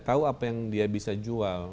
tahu apa yang dia bisa jual